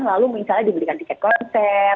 lalu misalnya dibelikan tiket konser